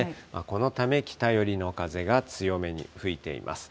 このため、北寄りの風が強めに吹いています。